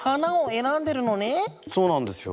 そうなんですよ。